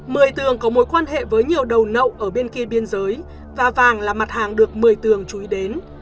mười tường có mối quan hệ với nhiều đầu nậu ở bên kia biên giới và vàng là mặt hàng được một mươi tường chú ý đến